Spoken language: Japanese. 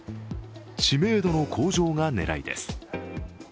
知名度の向上が狙いです。